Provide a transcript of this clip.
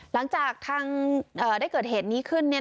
หลังจากทางได้เกิดเหตุนี้ขึ้น